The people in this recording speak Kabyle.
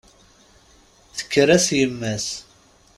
Tekker-as yemma-s.